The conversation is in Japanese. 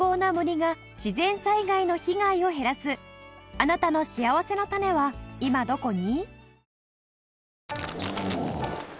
あなたのしあわせのたねは今どこに？